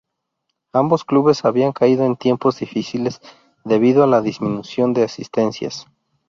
Ambos clubes habían caído en tiempos difíciles debido a la disminución de asistencias.